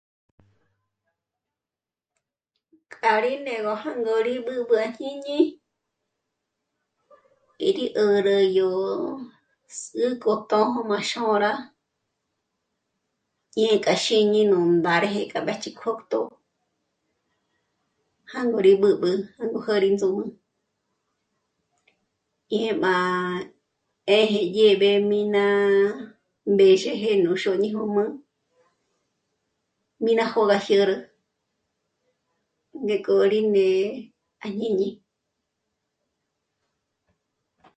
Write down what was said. K'ârí né'egö rí bǚb'ü àjñini 'írí 'àrü zǜnk'o t'ô'o má xôra ñé'e k'a xími nú ndárëjë k'amá'a chíjkṓjtjo jângorí bǚbü jôngorí ndzùmü. Jñěm'a 'èji dyéb'e mí ná'a mbèzheje nú x'óni jumü ní ná jó'o gá jiúrü ngék'o rí né'e àjñíni